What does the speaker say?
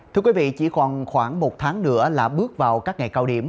thưa quý vị chỉ còn khoảng một tháng nữa là bước vào các ngày cao điểm